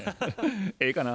ええかな。